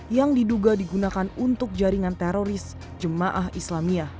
yang diduga digunakan untuk jaringan teroris jemaah islamiyah